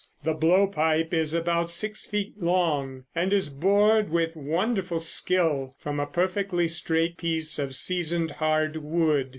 The blow pipe is about six feet long and is bored with wonderful skill from a perfectly straight piece of seasoned hard wood.